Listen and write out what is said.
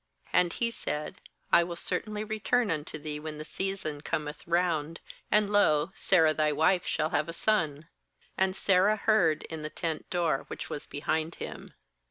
10And He said: 'I will certainly return unto thee when the season com eth round; and, lo, Sarah thy wife shall have a son.' And Sarah heard in the tent door, which was behind him.